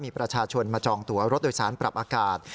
มีประชาชนมาจองตัวรถโดยสารปรับอากาศ